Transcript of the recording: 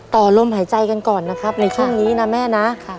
ต่อลมหายใจกันก่อนนะครับในช่วงนี้นะแม่นะ